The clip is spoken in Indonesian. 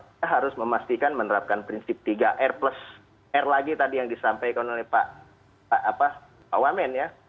kita harus memastikan menerapkan prinsip tiga r plus r lagi tadi yang disampaikan oleh pak wamen ya